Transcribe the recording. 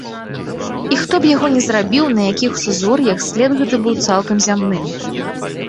І хто б яго не зрабіў, на якіх сузор'ях, след гэты быў цалкам зямным.